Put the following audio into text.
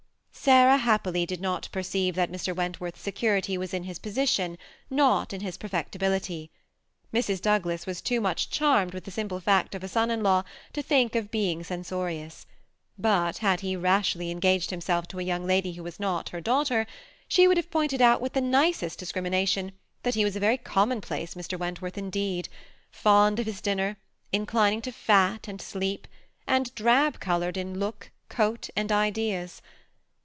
Sarah, happily, did not perceive that Mr. Wentworth's security was in his position, not in his perfectibility. Mrs. Douglas was too much charmed with the simple fact oi a son in law to think of being censorious ; biit had he rashly engaged himself to a young lady who was not her daughter, she would have pcnnted out with the nieoflt discriminatioo that he was a very commonplace 240 THE SEBQ ATTACHED COUPLE. Mr. Wentworth indeed — fond of his dinner, inclining to fat and sleep, and drab colored in look, coat, and ideas.